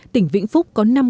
tỉnh vĩnh phúc có năm cán bộ